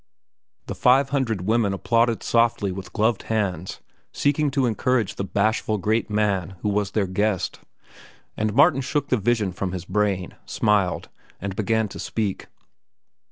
The five hundred women applauded softly with gloved hands, seeking to encourage the bashful great man who was their guest. And Martin shook the vision from his brain, smiled, and began to speak.